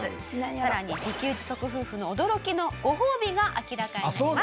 さらに自給自足夫婦の驚きのごほうびが明らかになります。